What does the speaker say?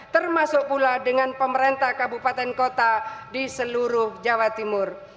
termasuk pula dengan pemerintah kabupaten kota di seluruh jawa timur